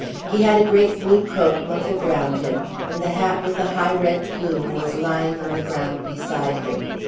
He had a great blue coat muffled round him, and the hat with the high red plume was lying on the ground beside him.